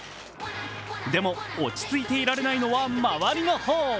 でも、落ち着いていられないのは周りの方。